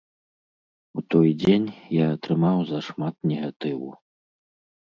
У той дзень я атрымаў зашмат негатыву.